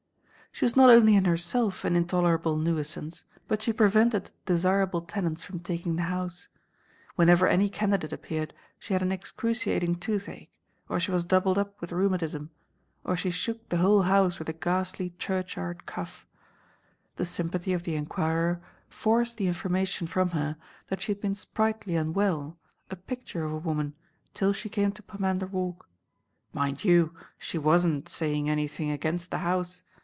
She was not only in herself an intolerable nuisance, but she prevented desirable tenants from taking the house. Whenever any candidate appeared she had an excruciating toothache; or she was doubled up with rheumatism; or she shook the whole house with a ghastly churchyard cough. The sympathy of the enquirer forced the information from her that she had been sprightly and well, a picture of a woman, till she came to Pomander Walk. Mind you, she was n't saying anything against the house.